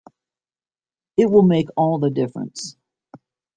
It will make all the difference.